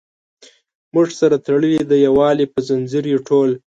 موږ سره تړلي د یووالي په زنځیر یو ټول.